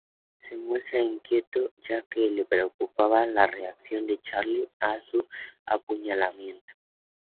Se muestra inquieto, ya que, le preocupaba la reacción de Charlie a su apuñalamiento.